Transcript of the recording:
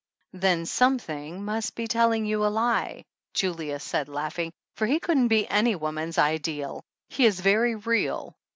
"Then 'something* must be telling you a lie," Julius said laughing, "for he couldn't be any woman's ideal. He is very real.